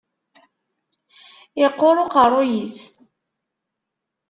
Iqquṛ uqeṛṛuy-is.